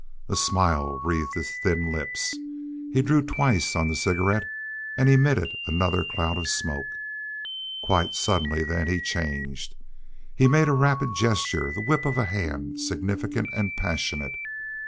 A smile wreathed his thin lips. He drew twice on the cigarette and emitted another cloud of smoke. Quite suddenly then he changed. He made a rapid gesture the whip of a hand, significant and passionate.